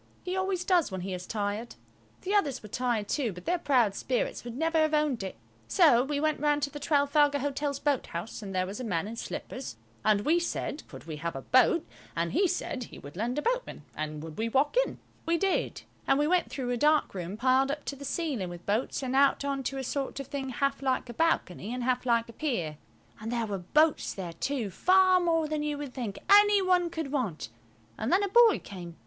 He always does when he is tired. The others were tired too, but their proud spirits would never have owned it. So we went round to the Trafalgar Hotel's boathouse, and there was a man in slippers, and we said could we have a boat, and he said he would send a boatman, and would we walk in? IT SEEMS THE SAILOR WAS ASLEEP, BUT OF COURSE WE DID NOT KNOW, OR WE SHOULD NOT HAVE DISTURBED HIM. We did, and we went through a dark room piled up to the ceiling with boats and out on to a sort of thing half like a balcony and half like a pier. And there were boats there too, far more than you would think any one could want; an then a boy came.